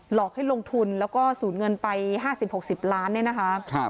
หลอกให้ลงทุนแล้วก็สูญเงินไป๕๐๖๐ล้านเนี่ยนะคะ